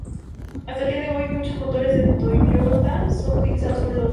Hasta el día de hoy, muchos motores de Toyota son utilizados por Lotus.